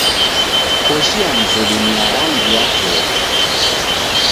Koshi ya mzedu ni ya rangi ya teri.